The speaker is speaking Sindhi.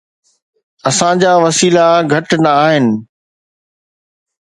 اسان جا وسيلا گهٽ نه آهن.